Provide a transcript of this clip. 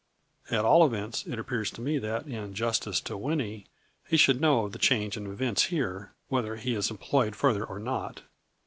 " At all events, it appears to me that, in justice to Winnie, he should know of the change in events here, whether he is employed further or not.